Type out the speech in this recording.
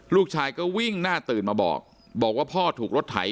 ลูกชายก็วิ่งหน้าตื่นมาบอกบอกว่าพ่อถูกรถไถ